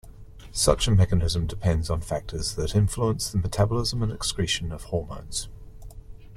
Such a mechanism depends on factors that influence the metabolism and excretion of hormones.